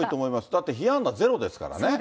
だって被安打ゼロですからね。